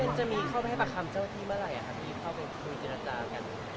ที่เข้าไปคุณจินัจรากัน